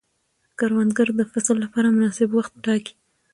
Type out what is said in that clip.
کروندګر د فصل لپاره مناسب وخت ټاکي